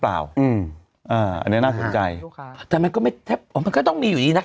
อืมอ่าอันเนี้ยน่าสนใจแต่มันก็ไม่แทบอ๋อมันก็ต้องมีอยู่ดีน่ะ